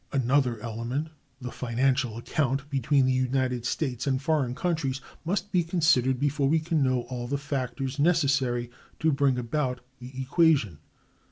Another element, the "financial account" between the United States and foreign countries, must be considered before we can know all the factors necessary to bring about the equation.